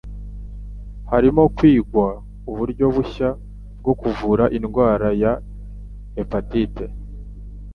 Harimo kwigwa uburyo bushya bwo kuvura indwara ya hepatite